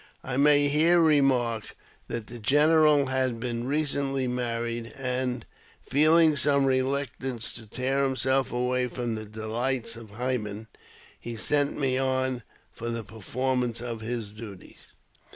I may here remark that the general had been recently married, and, feeling some reluctance to tear himself away from the delights of Hymen, he sent me on for the perfor mance of his duties.